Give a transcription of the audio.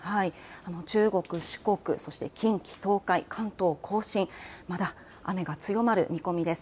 中国、四国そして近畿、東海、関東甲信、まだ雨が強まる見込みです。